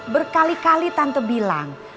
berkali kali tante bilang